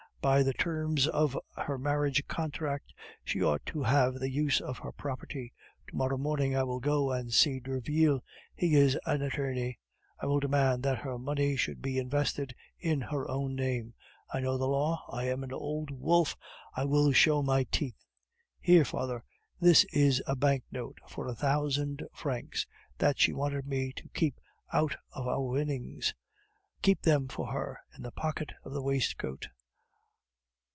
By the terms of her marriage contract, she ought to have the use of her property. To morrow morning I will go and see Derville; he is an attorney. I will demand that her money should be invested in her own name. I know the law. I am an old wolf, I will show my teeth." "Here, father; this is a banknote for a thousand francs that she wanted me to keep out of our winnings. Keep them for her, in the pocket of the waistcoat."